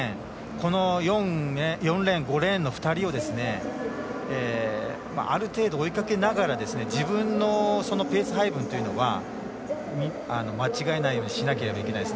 この４レーン、５レーンの２人をある程度、追いかけながら自分のペース配分というのは間違いないようにしなければいけないです。